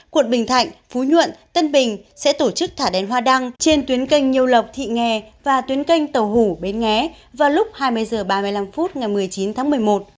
quận bình thạnh phú nhuận tân bình sẽ tổ chức thả đèn hoa đăng trên tuyến canh nhiêu lộc thị nghè và tuyến canh tàu hủ bến nghé vào lúc hai mươi h ba mươi năm phút ngày một mươi chín tháng một mươi một